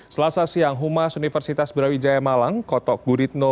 selasa siang humas universitas brawijaya malang kotok guritno